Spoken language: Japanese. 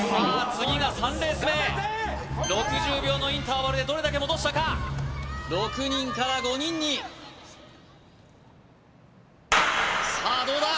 次が３レース目６０秒のインターバルでどれだけ戻したか６人から５人にさあどうだ